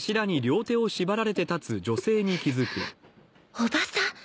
おばさん！